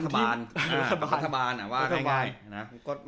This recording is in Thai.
พัฒนฐาบาล